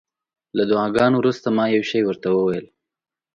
له دعاګانو وروسته ما یو شی ورته وویل.